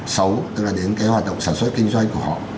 xấu tức là đến cái hoạt động sản xuất kinh doanh của họ